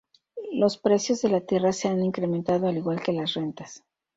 Los precios de la tierra se han incrementado al igual que las rentas.